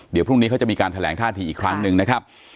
เดี๋ยวพรุ่งนี้เขาจะมีการแถลงท่าทีอีกครั้งหนึ่งนะครับ